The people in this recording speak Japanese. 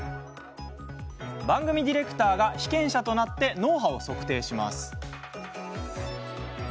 番組ディレクターが被験者となって脳波を測定します。